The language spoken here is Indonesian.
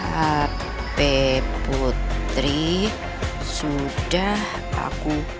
tapi putri sudah aku